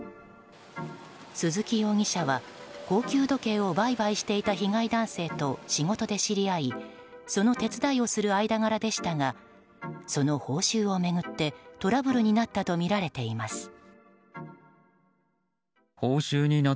鈴木容疑者は、高級時計を売買していた被害男性と仕事で知り合いその手伝いをする間柄でしたがその報酬を巡ってトラブルになったとみられています。